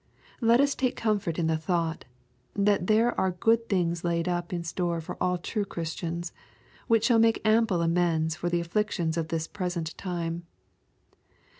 Let us take comfort in the thought, that there are good things laid up in store for all true Christians, which shall make ample amends for the afflictions of this present time.